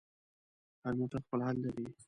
هر موټر خپل حد لري.